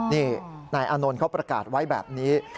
นี่นายอานนท์เขาประกาศไว้แบบนี้